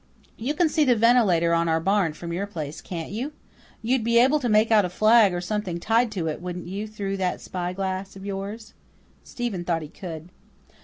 You can see the ventilator on our barn from your place, can't you? You'd be able to make out a flag or something tied to it, wouldn't you, through that spy glass of yours?" Stephen thought he could.